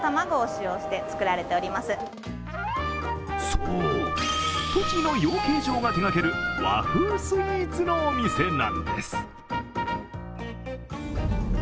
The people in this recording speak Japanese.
そう、栃木の養鶏場が手がける和風スイーツのお店なんです。